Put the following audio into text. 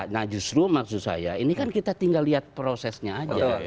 nah justru maksud saya ini kan kita tinggal lihat prosesnya aja